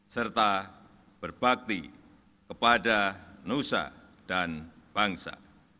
serta berbakti kepada nusa dan bangsa